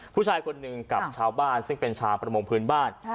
ผู้ชายคนหนึ่งกับชาวบ้านซึ่งเป็นชาวประมงพื้นบ้าน